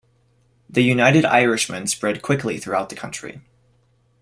The United Irishmen spread quickly throughout the country.